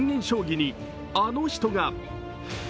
将棋にあの人が。